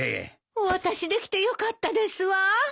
お渡しできてよかったですわ。